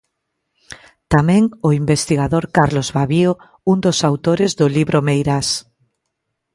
Tamén o investigador Carlos Babío, un dos autores do libro Meirás.